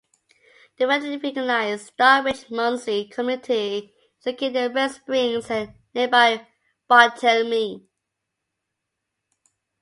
The federally recognized Stockbridge-Munsee Community is located in Red Springs and nearby Bartelme.